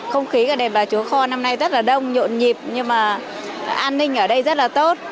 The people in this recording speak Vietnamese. không khí ở đề bà chúa kho năm nay rất là đông nhộn nhịp nhưng mà an ninh ở đây rất là tốt